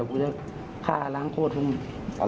เป็นเรื่องเอาคืนนี้ครับ